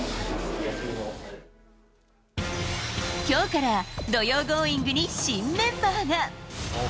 今日から土曜「Ｇｏｉｎｇ！」に新メンバーが！